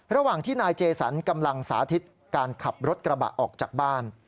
ระหว่างที่นายเจสันกำลังสาธิตการขับรถกระบะออกจากบ้าน